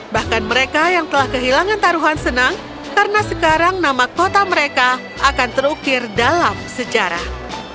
bahkan mereka yang telah kehilangan taruhan senang karena sekarang nama kota mereka akan terukir dalam sejarah